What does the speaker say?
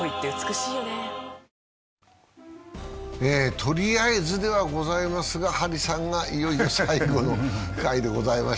とりあえずではございますが、張さんがいよいよ最後の回でございます。